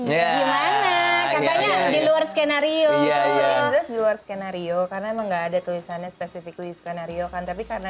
diluar skenario skenario karena enggak ada tulisannya spesifik skenario kan tapi karena